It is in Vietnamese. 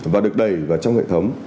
và được đẩy vào trong hệ thống